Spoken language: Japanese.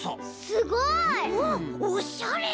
すごい！おしゃれ！